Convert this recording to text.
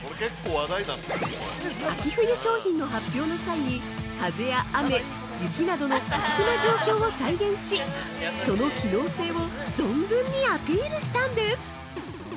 秋冬商品の発表の際に風や雨、雪などの過酷な状況を再現し、その機能性を存分にアピールしたんです！